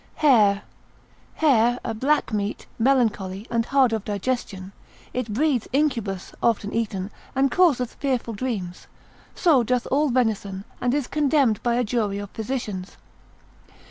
Hare.] Hare, a black meat, melancholy, and hard of digestion, it breeds incubus, often eaten, and causeth fearful dreams, so doth all venison, and is condemned by a jury of physicians.